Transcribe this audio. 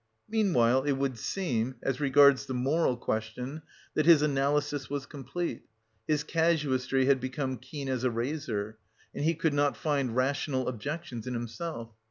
Meanwhile it would seem, as regards the moral question, that his analysis was complete; his casuistry had become keen as a razor, and he could not find rational objections in himself.